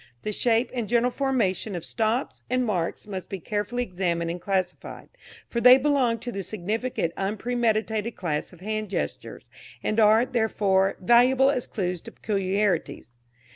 The shape and general formation of stops and marks must be carefully examined and classified, for they belong to the significant unpremeditated class of hand gestures, and are, therefore, valuable as clues to peculiarities.